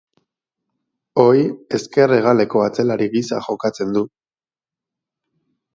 Ohi, ezker hegaleko atzelari gisa jokatzen du.